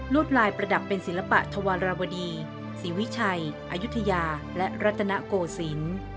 ลายประดับเป็นศิลปะธวรวดีศรีวิชัยอายุทยาและรัตนโกศิลป์